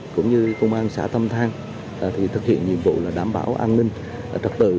cũng như công an xã tâm thang thực hiện nhiệm vụ đảm bảo an ninh trật tự